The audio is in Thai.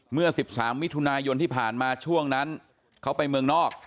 เมื่อ๑๓มิถุนายนที่ผ่านมาช่วงนั้นเขาไปเมืองนอก